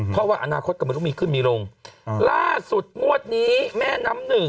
เพราะว่าอนาคตก็ไม่รู้มีขึ้นมีลงล่าสุดงวดนี้แม่น้ำหนึ่ง